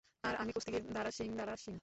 আর আমি কুস্তিগীর দারা সিং, - দারা সিং?